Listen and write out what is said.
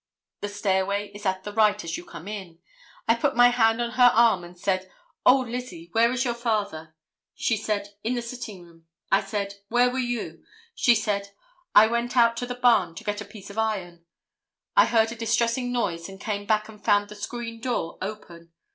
The stairway is at the right as you come in. I put my hand on her arm and said, 'O, Lizzie, where is your father?' She said, 'In the sitting room.' I said, 'Where were you?' She said, 'I went out to the barn to get a piece of iron. I heard a distressing noise and came back and found the screen door open.